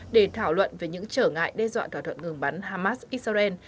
để thảo luận về những trở ngại đe dọa thỏa thuận ngừng bắn hamas israel